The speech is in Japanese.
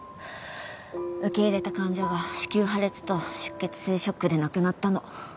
受け入れた患者が子宮破裂と出血性ショックで亡くなったの。